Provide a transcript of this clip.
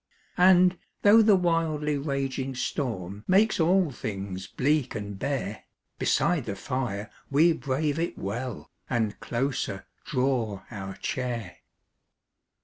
And, though the wildly raging storm Makes all things bleak and bare, Beside the fire we brave it well, And closer draw our chair.